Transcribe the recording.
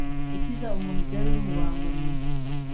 gukiza umuntu ibyari bimubangamiye